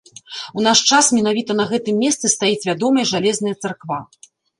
У наш час менавіта на гэтым месцы стаіць вядомая жалезная царква.